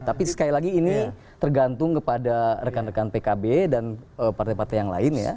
tapi sekali lagi ini tergantung kepada rekan rekan pkb dan partai partai yang lain ya